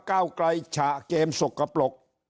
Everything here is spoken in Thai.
ก้าวไกลฉะเกมสกปรก